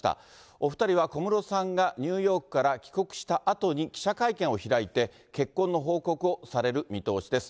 お２人は小室さんがニューヨークから帰国したあとに記者会見を開いて、結婚の報告をされる見通しです。